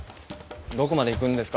どこまで行くんですか？